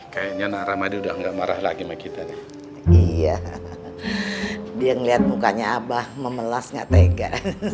kayaknya naram ada udah nggak marah lagi makita iya dia ngelihat mukanya abah memelasnya tega